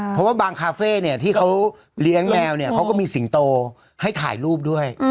เพราะว่าบางคาเฟ่เนี่ยที่เขาเลี้ยงแมวเนี่ยเขาก็มีสิงโตให้ถ่ายรูปด้วย